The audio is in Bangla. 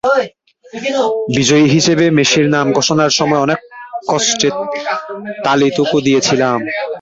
বিজয়ী হিসেবে মেসির নাম ঘোষণার সময় অনেক কষ্টে তালি টুকু দিয়েছিলেন।